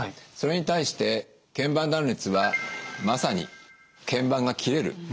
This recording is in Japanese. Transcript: それに対して腱板断裂はまさに腱板が切れる